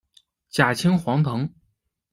假青黄藤